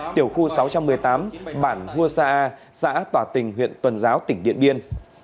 tiểu khu sáu trăm một mươi tám bản hua sa tỏa tình huyện tuần giáo tỉnh điện biên